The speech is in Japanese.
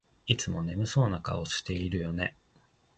いつも眠そうな顔してるよね